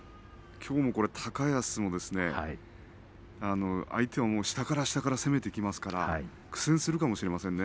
きょうも高安相手は下から下から攻めてきますから苦戦するかもしれませんね。